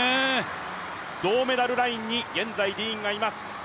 銅メダルラインに、現在ディーンがいます。